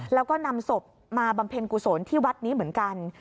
แล้วก็นำศพมาบำเพ็ญกุศลที่วัดนี้เหมือนกัน